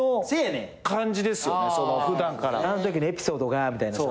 「あんときのエピソードが」みたいなさ。